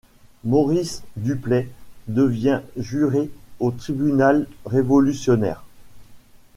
Maurice Duplay devient juré au Tribunal révolutionnaire.